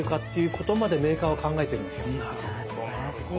いやすばらしい。